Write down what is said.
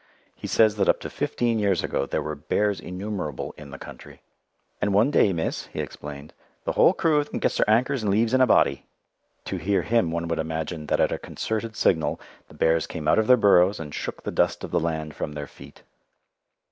He says that up to fifteen years ago there were bears innumerable "in the country." "And one day, miss," he explained, "the whole crew of them gets their anchors and leaves in a body." To hear him one would imagine that at a concerted signal the bears came out of their burrows and shook the dust of the land from their feet.